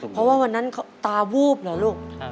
เพราะว่าวันนั้นตาวูบเหรอลูก